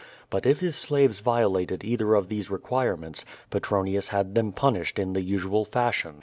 But if his slaves violated either of these requirements, Petronius had them punished in the usual fashion.